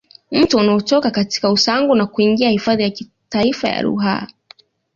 Mto unatoka katika Usangu na kuingia hifadhi ya kitaifa ya Ruaha